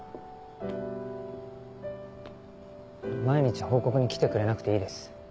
毎日報告に来てくれなくていいです。